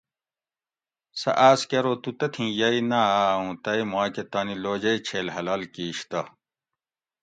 سۤہ آۤس کۤہ ارو تُو تتھیں یئ نہ آۤ اُوں تئ ماکۤہ تانی لوجئ چھیل حلال کِیش تہ